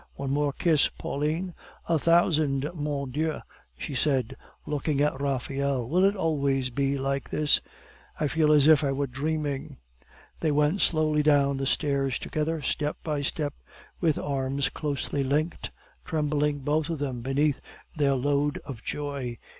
"One more kiss, Pauline." "A thousand, mon Dieu!" she said, looking at Raphael. "Will it always be like this? I feel as if I were dreaming." They went slowly down the stairs together, step for step, with arms closely linked, trembling both of them beneath their load of joy.